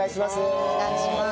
お願いします。